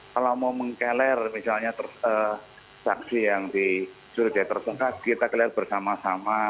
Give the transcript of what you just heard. kalau mau mengkeler misalnya saksi yang di suri jaya terdekat kita keler bersama sama